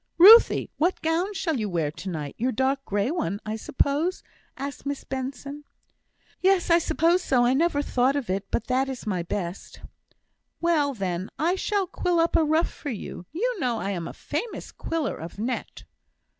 "Ruthie, what gown shall you wear to night? your dark grey one, I suppose?" asked Miss Benson. "Yes, I suppose so. I never thought of it; but that is my best." "Well; then, I shall quill up a ruff for you. You know I am a famous quiller of net."